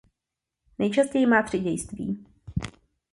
Nejčastěji má tři dějství.